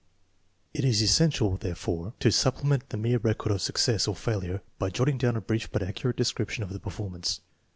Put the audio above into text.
It is essential, therefore, to supplement the mere record of success or failure by jotting down a brief but accurate description of the performance.